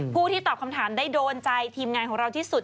ผู้ที่ตอบคำถามได้โดนใจทีมงานของเราที่สุด